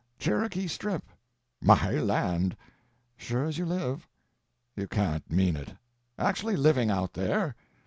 Cherokee Strip." "My land!" "Sure as you live." "You can't mean it. Actually living out there?"